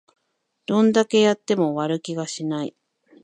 どんだけやっても終わる気がしない